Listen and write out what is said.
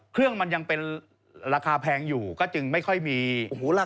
เครื่องมันยังเป็นราคาแพงอยู่ก็จึงไม่ค่อยมีโอ้โหราคา